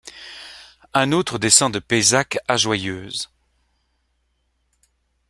Un autre descend de Payzac à Joyeuse.